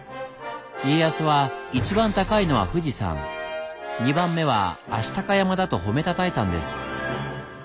家康は一番高いのは富士山二番目は足高山だと褒めたたえたんです。